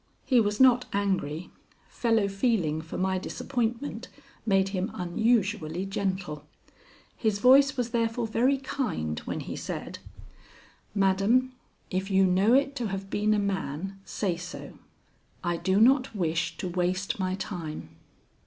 He was not angry: fellow feeling for my disappointment made him unusually gentle. His voice was therefore very kind when he said: "Madam, if you know it to have been a man, say so. I do not wish to waste my time."